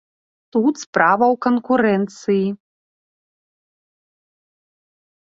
Тут справа ў канкурэнцыі.